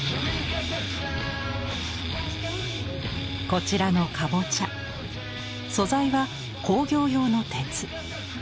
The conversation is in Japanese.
こちらのカボチャ素材は工業用の鉄。